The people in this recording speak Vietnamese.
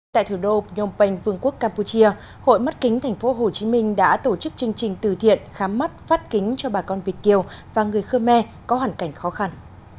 tại thủ đô nhôm bênh vương quốc campuchia hội mắt kính tp hcm đã tổ chức chương trình từ thiện khám mắt phát kính cho bà con việt kiều và người khmer có hoàn cảnh khó khăn